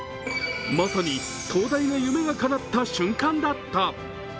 まさに壮大な夢がかなった瞬間だった。